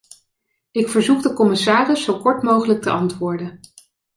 Ik verzoek de commissaris zo kort mogelijk te antwoorden.